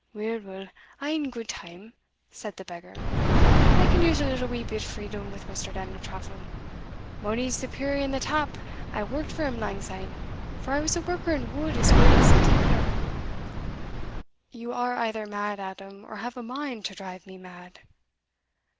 "Weel, weel, a' in gude time," said the beggar "I can use a little wee bit freedom wi' Mr. Daniel Taffril; mony's the peery and the tap I worked for him langsyne, for I was a worker in wood as weel as a tinkler." "You are either mad, Adam, or have a mind to drive me mad."